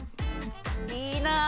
いいなあ。